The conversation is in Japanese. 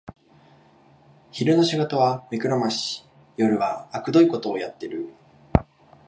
昼の仕事は目くらまし、夜はあくどいことをやってる